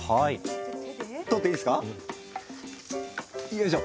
よいしょ。